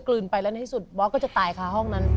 ลืนไปแล้วในที่สุดบอสก็จะตายค่ะห้องนั้น